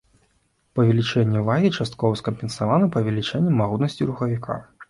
Павелічэнне вагі часткова скампенсавана павелічэннем магутнасці рухавіка.